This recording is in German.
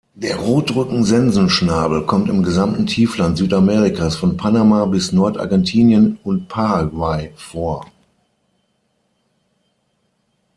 Der Rotrücken-Sensenschnabel kommt im gesamten Tiefland Südamerikas von Panama bis Nord-Argentinien und Paraguay vor.